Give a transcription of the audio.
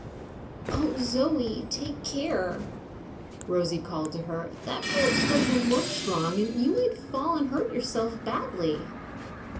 "Oh, Zoe, take care!" Rosie called to her, "that branch doesn't look strong, and you might fall and hurt yourself badly."